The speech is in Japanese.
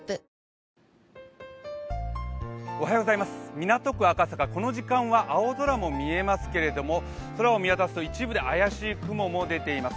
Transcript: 港区赤坂、この時間は青空も見えますけど空を見渡すと一部で怪しい雲も出ています。